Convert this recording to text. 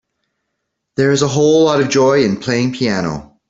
There is a whole lot of joy in playing piano.